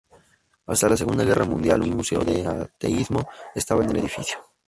Hasta la Segunda Guerra Mundial, un museo del ateísmo estaba en el edificio.